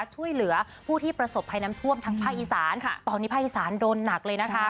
ช่วยเหลือผู้ที่ประสบภัยน้ำท่วมทางภาคอีสานตอนนี้ภาคอีสานโดนหนักเลยนะคะ